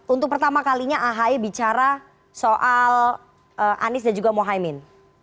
untuk pertama kalinya ahy bicara soal anies dan juga mohaimin